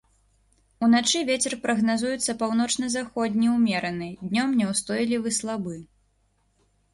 Уначы вецер прагназуецца паўночна-заходні ўмераны, днём няўстойлівы слабы.